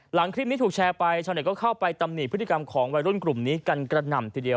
หลังคลิปนี้ถูกแชร์ไปชาวเน็ตก็เข้าไปตำหนิพฤติกรรมของวัยรุ่นกลุ่มนี้กันกระหน่ำทีเดียว